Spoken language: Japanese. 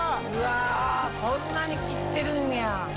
そんなにいってるんや。